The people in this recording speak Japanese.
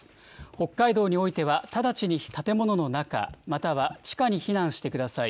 北海道においては直ちに建物の中、または地下に避難してください。